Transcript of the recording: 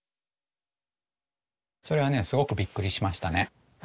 それはねすごくびっくりしましたね。